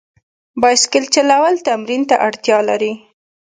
بایسکل چلول تمرین ته اړتیا لري.